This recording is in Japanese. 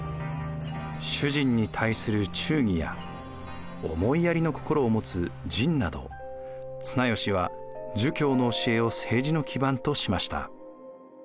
主人に対する「忠義」や思いやりの心を持つ「仁」など綱吉は儒教の教えを政治の基盤としました。